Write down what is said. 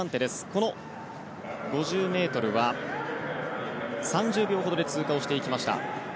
この５０ｍは３０秒ほどで通過していきました。